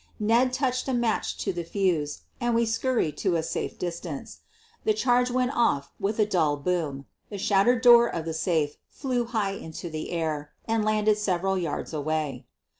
Ned touched a match to the fuse and we scurried to a safe distance. The charge went off with a dull boom — the shattered door of the safe flew high into the air and landed several yards away.